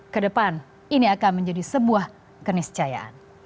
kedepan ini akan menjadi sebuah keniscayaan